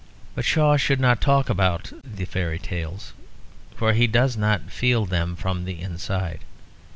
But Shaw should not talk about the fairy tales; for he does not feel them from the inside.